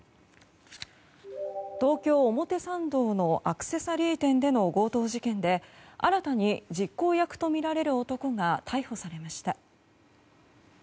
東京・表参道のアクセサリー店での強盗事件で新たに、実行役とみられる男が逮捕されました。